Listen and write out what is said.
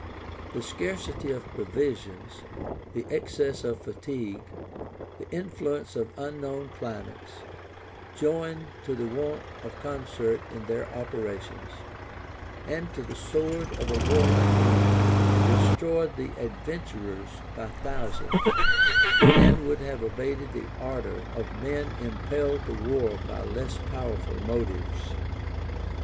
The scarcity of provisions, the excess of fatigue, the influence of unknown climates, joined to the want of concert in their operations, and to the sword of a warlike enemy, destroyed the adventurers by thousands, and would have abated the ardor of men impelled to war by less powerful motives.